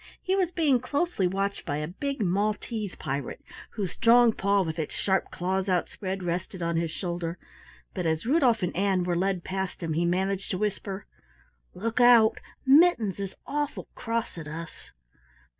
He was being closely watched by a big Maltese pirate whose strong paw with its sharp claws outspread rested on his shoulder, but as Rudolf and Ann were led past him, he managed to whisper, "Look out! Mittens is awful cross at us!"